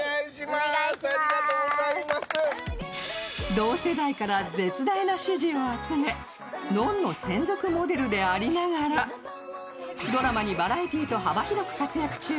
同世代から絶大な支持を集め「ｎｏｎ−ｎｏ」専属モデルでありながらドラマにバラエティーと幅広く活躍中。